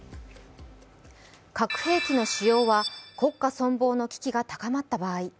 核兵器の使用は国家存亡の危機が高まった場合。